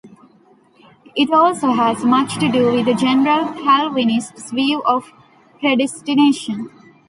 It also has much to do with the general Calvinist view of predestination.